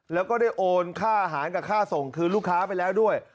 แล้วก็ได้โอนค่าอาหารกับค่าส่งคืนลูกค้าไปแล้วด้วย